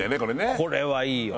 これはいいよ